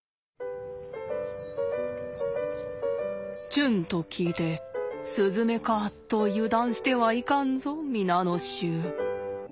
「ちゅん」と聞いてスズメかと油断してはいかんぞ皆の衆。